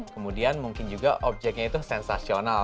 kemudian mungkin juga objeknya itu sensasional